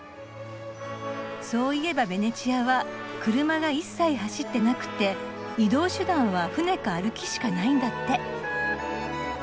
そういえばベネチアは車が一切走ってなくて移動手段は船か歩きしかないんだって。